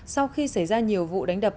sau khi xảy ra nhiều vụ đánh đập